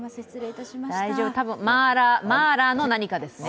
マーラーの何かですね？